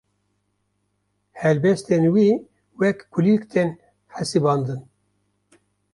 helbestên wî wek kulîlk tên hesibandin